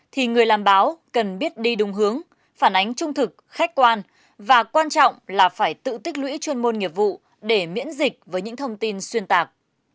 thì người làm báo cần biết đi đúng hướng phản ánh trung thực khách quan và quan trọng là phải tự tích lũy chuyên môn nghiệp vụ để miễn dịch với những thông tin xuyên tạc